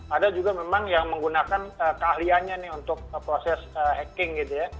ada juga memang yang menggunakan keahliannya nih untuk proses hacking gitu ya